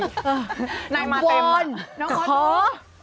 นายมาเต็ม